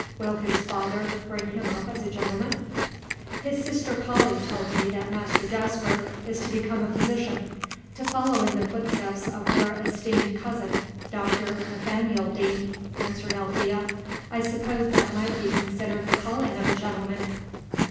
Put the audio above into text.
Will his father bring him up as a gentleman?" "His sister Polly told me that Master Jasper is to become a physician, to follow in the footsteps of their esteemed cousin, Dr Nathaniel Deane," answered Alethea. "I suppose that might be considered the calling of a gentleman."